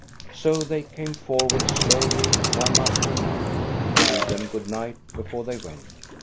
So they came forward slowly, one after another, to bid them good night before they went.